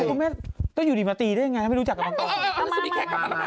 คุณแม่ก็อยู่ดิมตรีได้อย่างไรไม่รู้จักเขามาก่อน